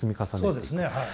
そうですねはい。